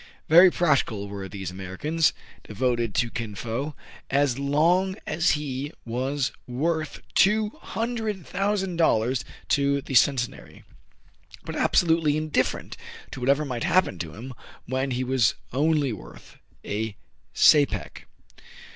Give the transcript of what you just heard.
Very practical were these Americans, — devoted to Kin Fo as long as he 2o6 TRIBULATIONS OF A CHINAMAN, was worth two hundred thousand dollars to the Centenary, but absolutely indifferent to whatever might happen to him when he was only worth a sapeque.